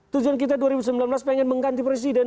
tujuan kita dua ribu sembilan belas pengen mengganti presiden